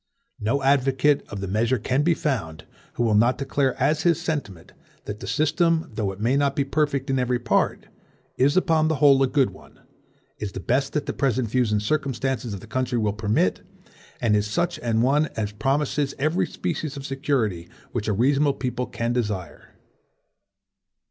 No advocate of the measure can be found, who will not declare as his sentiment, that the system, though it may not be perfect in every part, is, upon the whole, a good one; is the best that the present views and circumstances of the country will permit; and is such an one as promises every species of security which a reasonable people can desire.